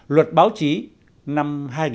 luật báo chí năm hai nghìn một mươi sáu